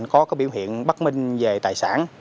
có biểu hiện bắt minh về tài sản